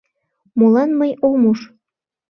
Молан мый ом уж?